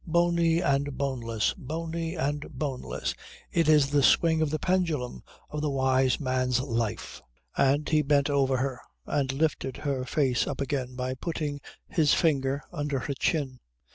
Bony and boneless, bony and boneless it is the swing of the pendulum of the wise man's life." And he bent over her and lifted her face up again by putting his finger under her chin.